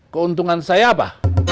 keuntungan saya apa